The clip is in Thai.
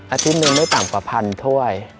อาทิตย์หนึ่งไม่ต่ำกว่าพันถ้วย